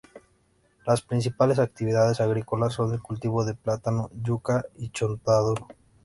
Las principales actividades agrícolas son el cultivo de plátano, yuca y chontaduro.